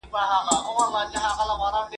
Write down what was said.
له خالپوڅو تر پیریه لږ خوږې ډیري ترخې دي ..